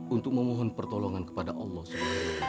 untuk memohon pertolongan kepada allah swt